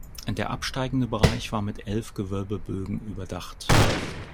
Der absteigende Bereich war mit elf Gewölbebögen überdacht.